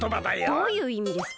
どういういみですか？